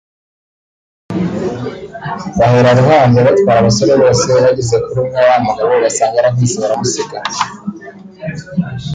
bahera ruhande batwara abasore bose bageze kuri umwe wa wa mugabo basanga yaravunitse baramusiga